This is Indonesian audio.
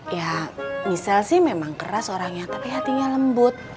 ya misale sih memang keras orangnya tapi hatinya lembut